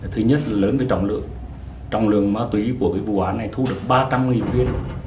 thứ nhất là lớn với trọng lượng trọng lượng ma túy của cái vụ án này thu được ba trăm linh nghìn viên